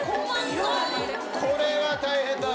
これは大変だ。